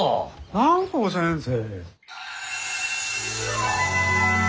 蘭光先生。